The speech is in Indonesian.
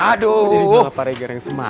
aduh ini gak apa apa reger yang semangat